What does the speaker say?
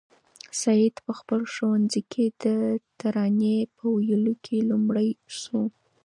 سعید په خپل ښوونځي کې د ترانې په ویلو کې لومړی شو.